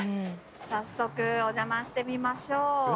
早速お邪魔してみましょう。